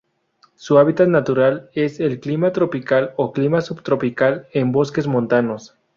Su hábitat natural es: el clima tropical o clima subtropical, en bosques montanos.